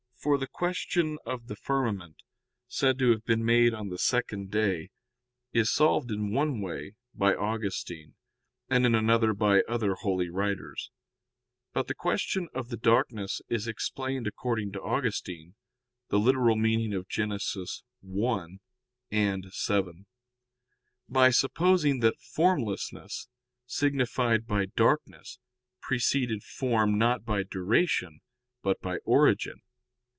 For the question of the firmament, said to have been made on the second day, is solved in one way by Augustine, and in another by other holy writers. But the question of the darkness is explained according to Augustine [*Gen. ad lit. i; vii.], by supposing that formlessness, signified by darkness, preceded form not by duration, but by origin.